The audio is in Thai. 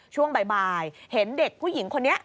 ช่วงบ่ายเห็นเด็กผู้หญิงคนนี้